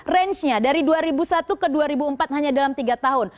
range nya dari dua ribu satu ke dua ribu empat hanya dalam tiga tahun